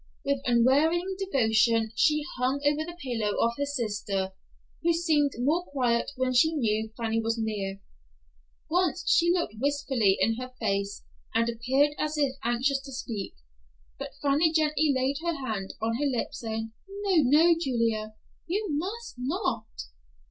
With unwearying devotion she hung over the pillow of her sister, who seemed more quiet when she knew Fanny was near. Once she looked wistfully in her face, and appeared as if anxious to speak, but Fanny gently laid her hand on her lips, saying, "No, no, Julia; you must not."